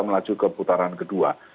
melaju ke putaran kedua